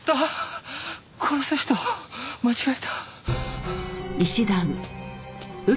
殺す人間違えた。